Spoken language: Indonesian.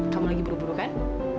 kamu lagi buru buru kan